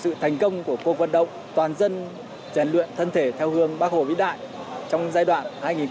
sự thành công của cuộc vận động toàn dân rèn luyện thân thể theo hương bác hồ vĩ đại trong giai đoạn